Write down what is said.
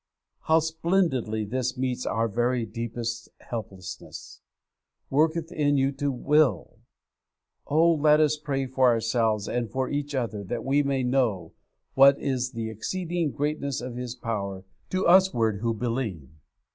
How splendidly this meets our very deepest helplessness, 'worketh in you to will!' Oh, let us pray for ourselves and for each other, that we may know 'what is the exceeding greatness of His power to usward who believe.'